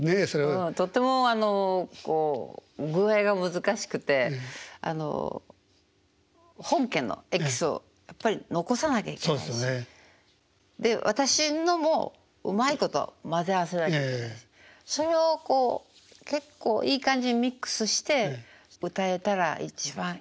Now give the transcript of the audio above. とってもこう具合が難しくてあの本家のエキスをやっぱり残さなきゃいけないし私のもうまいこと混ぜ合わせなきゃいけないしそれをこう結構いい感じにミックスして歌えたら一番いいなと思ってるんですね。